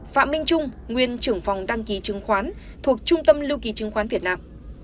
phạm minh trung nguyên trưởng phòng đăng ký chứng khoán thuộc trung tâm lưu ký chứng khoán việt nam